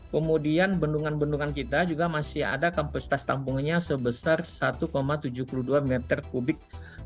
kemudian bendungan bendungan kita juga masih ada kapasitas tampungnya sebesar satu tujuh puluh dua meter kubik